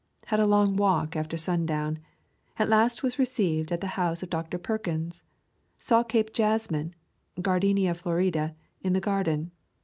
Had a long walk after sundown. At last was received at the house of Dr. Perkins. Saw Cape Jasmine [Gardenia florida] in the garden.